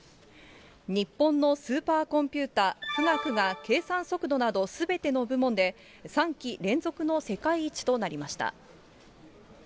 日本のスーパーコンピューター、富岳が、計算速度など、すべての部門で３期連続の世界一となりました。